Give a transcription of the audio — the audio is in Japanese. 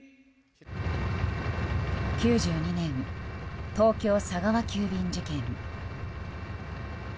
９２年、東京佐川急便事件。